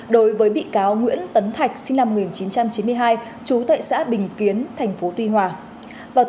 đối với bị cáo nguyễn tấn thạch sinh năm một nghìn chín trăm chín mươi hai trú tại xã bình kiến tp tuy hòa